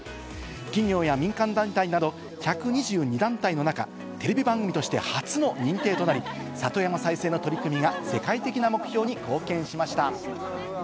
企業や民間団体など１２２団体の中、テレビ番組として初の認定となり、里山再生の取り組みが世界的な目標に貢献しました。